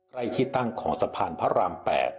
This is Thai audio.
ที่ตั้งของสะพานพระราม๘